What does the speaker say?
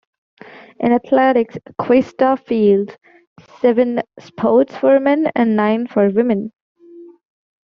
In athletics, Cuesta fields seven sports for men and nine for women.